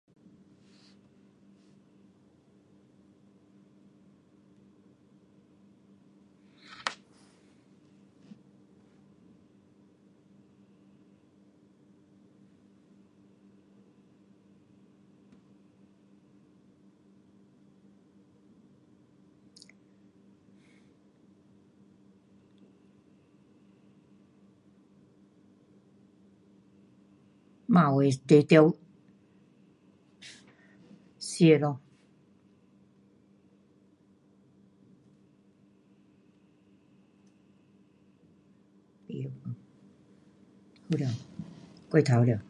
嘛有当然吃咯，好了，过头了。